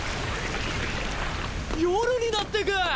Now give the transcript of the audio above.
夜になってく！